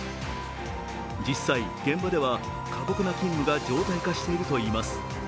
実際、現場では過酷な勤務が常態化しているといいます。